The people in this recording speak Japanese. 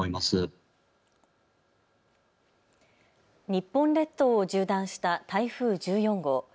日本列島を縦断した台風１４号。